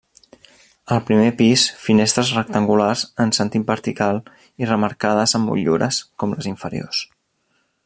Al primer pis finestres rectangulars en sentit vertical i remarcades amb motllures, com les inferiors.